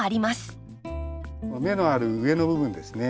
芽のある上の部分ですね